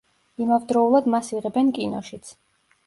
იმავდროულად მას იღებენ კინოშიც.